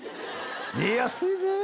見えやすいぜ。